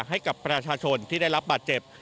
ให้กับประชาชนที่ได้รับบาดเจ็บ